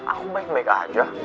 aku baik baik aja